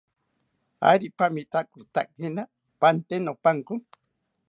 ¿Ari pamitakotakina pante nopanko?